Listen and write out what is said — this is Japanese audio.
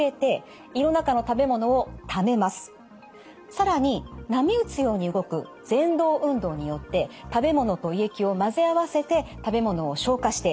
更に波打つように動くぜん動運動によって食べ物と胃液を混ぜ合わせて食べ物を消化してかゆ状にします。